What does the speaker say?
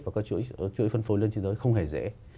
và các chuỗi phân phối lên trên thế giới không hề dễ